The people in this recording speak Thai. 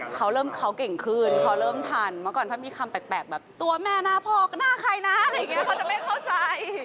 เขาเริ่มเขาเก่งขึ้นเขาเริ่มทันเมื่อก่อนถ้ามีคำแปลกแบบตัวแม่หน้าพ่อก็หน้าใครนะอะไรอย่างนี้เขาจะไม่เข้าใจ